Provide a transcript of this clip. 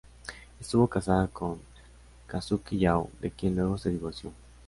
Estuvo casada con Kazuki Yao, de quien luego se divorció.